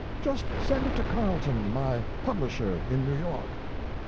Just send it to Carleton, my publisher, in New York."